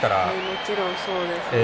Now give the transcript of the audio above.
もちろん、そうですね。